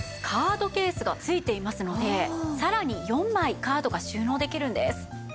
カードケースが付いていますのでさらに４枚カードが収納できるんです。